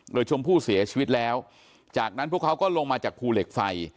โดยชมพู่เสียชีวิตแล้วจากนั้นพวกเขาก็ลงมาจากภูเหล็กไฟ